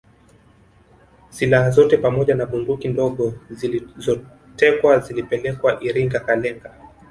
Silaha zote pamoja na bunduki ndogo zilizotekwa zilipelekwa Iringa Kalenga